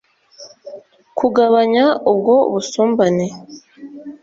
kugabanya ubwo busumbane.